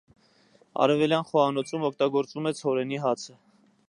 Արևելյան խոհանոցում օգտագործվում է ցորենի հացը։